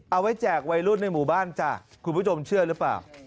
แจกวัยรุ่นในหมู่บ้านจ้ะคุณผู้ชมเชื่อหรือเปล่า